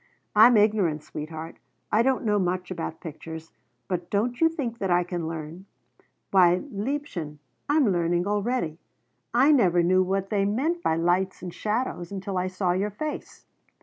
I'm ignorant, sweetheart, I don't know much about pictures, but don't you think that I can learn? Why, liebchen, I'm learning already! I never knew what they meant by lights and shadows until I saw your face.